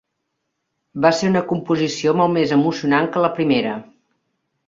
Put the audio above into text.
Va ser una composició molt més emocionant que la primera.